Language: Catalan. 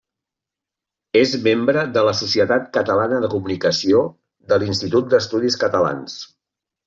És membre de la Societat Catalana de Comunicació de l'Institut d'Estudis Catalans.